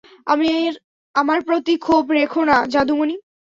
আমার প্রতি ক্ষোভ রেখো না, যাদুমণি!